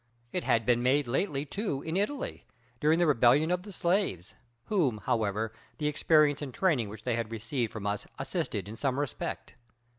It had been made lately too in Italy, during the rebellion of the slaves, whom, however, the experience and training which they had received from us assisted in some respect.